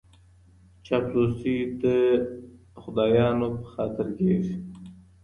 چاپلوسي د خدایانو په خاطر کیږي.